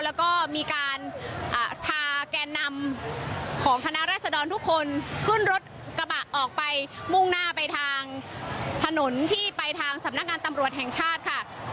แล้วก็มีการพาแกนนำของคณะรัศดรทุกคนขึ้นรถกระบะออกไปมุ่งหน้าไปทางถนนที่ไปทางสำนักงานตำรวจแห่งชาติค่ะ